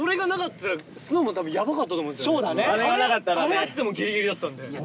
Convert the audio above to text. あれあってもギリギリだったんで。